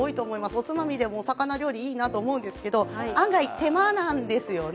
おつまみでも魚料理いいなと思うんですが案外、手間なんですよね。